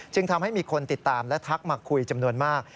ทำให้มีคนติดตามและทักมาคุยจำนวนมาก